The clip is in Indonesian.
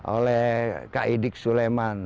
oleh kak iwik suleman